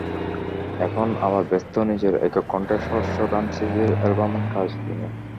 এখন আবার ব্যস্ত নিজের একক কণ্ঠে সহস্র গান সিরিজের অ্যালবামের কাজ নিয়ে।